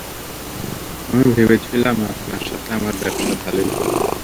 আমি ভেবেছিলাম আপনার সাথে আমার ব্যাবসাটা ভালোই চলবে।